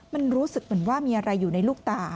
มันรู้สึกเหมือนว่ามีอะไรอยู่ในลูกตา